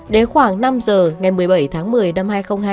đến khoảng năm giờ ngày một mươi bảy tháng một mươi năm hai nghìn hai mươi hai